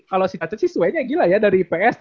kalau si tata sih suenya gila ya dari ips